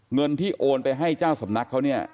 เงินที่โอนไปให้เจ้าสำนักเขาเนี่ย